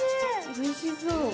おいしそう。